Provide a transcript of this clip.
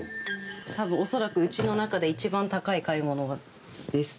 たぶん恐らくうちの中で一番高い買い物です。